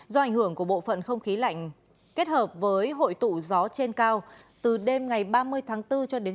do ảnh hưởng của bộ phận không khí lạnh kết hợp với hội tụ gió trên cao từ đêm ngày ba mươi tháng bốn cho đến